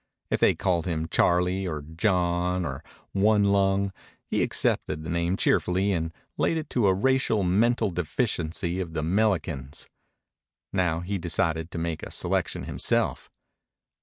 If they called him Charlie or John or One Lung, he accepted the name cheerfully and laid it to a racial mental deficiency of the 'melicans. Now he decided to make a selection himself.